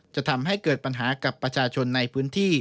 จะทำให้เกิดปัญหากับประชาชนในพื้นที่